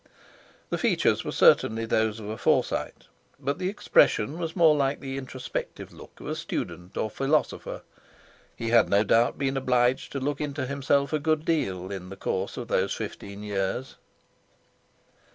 The features were certainly those of a Forsyte, but the expression was more the introspective look of a student or philosopher. He had no doubt been obliged to look into himself a good deal in the course of those fifteen years.